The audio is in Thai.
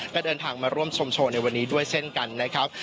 ก็เดินทางมาร่วมชมโชว์ในวันนี้ด้วยเช่นกันนะครับ